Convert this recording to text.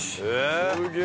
すげえ。